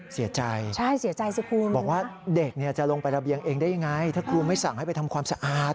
เสียใจใช่เสียใจสิคุณบอกว่าเด็กเนี่ยจะลงไประเบียงเองได้ยังไงถ้าครูไม่สั่งให้ไปทำความสะอาด